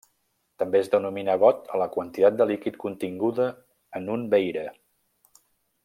També es denomina got a la quantitat de líquid continguda en un veire.